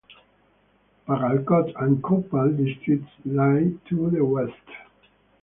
Bagalkot and Koppal districts lie to the west.